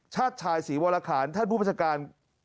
ชาติชายศรีวรคารท่านผู้ประชาการ